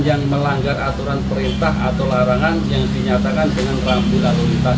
yang melanggar aturan perintah atau larangan yang dinyatakan dengan rambu lalu lintas